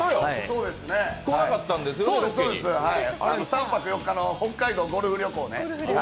そうです、３泊４日の北海道ゴルフ旅行ね。